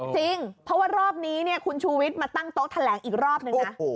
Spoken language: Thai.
จริงเพราะว่ารอบนี้คุณชูวิทย์มาตั้งโต๊ะแถลงอีกรอบนึงนะ